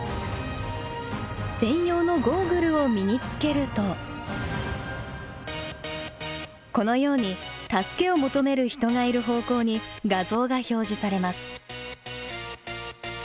専用のゴーグルを身につけるとこのように助けを求める人がいる方向に画像が表示されます。